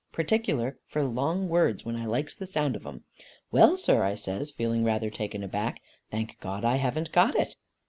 Particular for long words, when I likes the sound of them. 'Well sir,' I says, feeling rather taken aback, 'thank God I haven't got it.